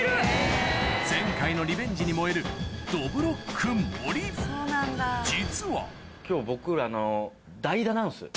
前回のリベンジに燃える実は代打なんす。